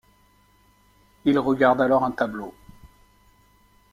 Il regarde alors un tableau.